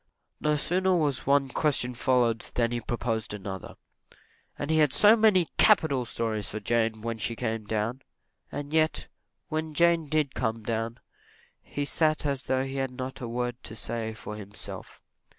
No sooner was one question answered than he proposed another and he had so many capital stories for Jane, when she came down and yet, when Jane did come down, he sat as though he had not a word to say for himself.